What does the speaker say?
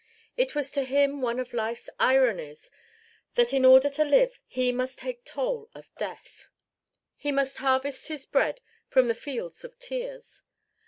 It was to him one of life's ironies that in order to live he must take toll of death. He must harvest his bread from the fields of tears.